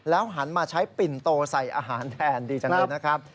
หันมาใช้ปิ่นโตใส่อาหารแทนดีจังเลยนะครับ